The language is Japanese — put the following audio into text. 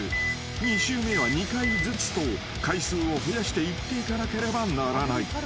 ［２周目は２回ずつと回数を増やして言っていかなければならない］